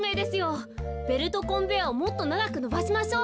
ベルトコンベヤーをもっとながくのばしましょう。